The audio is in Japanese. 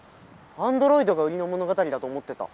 アンドロイドが売りの物語だと思ってた。